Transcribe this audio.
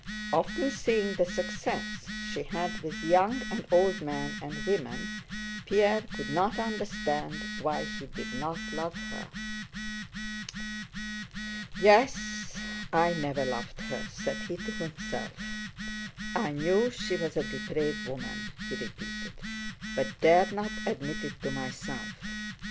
Often seeing the success she had with young and old men and women Pierre could not understand why he did not love her. * "You clear out of this." "Yes, I never loved her," said he to himself; "I knew she was a depraved woman," he repeated, "but dared not admit it to myself.